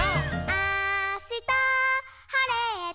「あしたはれたら」